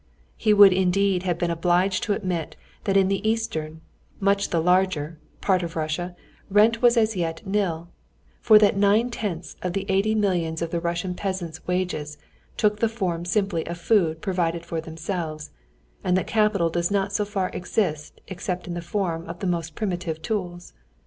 He would indeed have been obliged to admit that in the eastern—much the larger—part of Russia rent was as yet nil, that for nine tenths of the eighty millions of the Russian peasants wages took the form simply of food provided for themselves, and that capital does not so far exist except in the form of the most primitive tools.